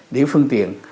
điểm phương tiện